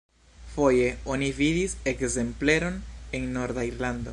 Foje oni vidis ekzempleron en norda Irlando.